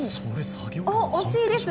惜しいです！